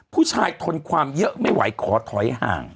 ทนความเยอะไม่ไหวขอถอยห่าง